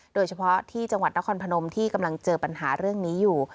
โดยเฉพาะที่จังหวัดนครพนมที่กำลังเจอปัญหาเรื่องนี้อยู่